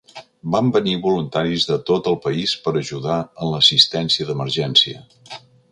Van venir voluntaris de tot el país per ajudar en l'assistència d'emergència.